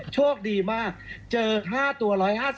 โชคดีมากเจอ๕ตัว๑๕๐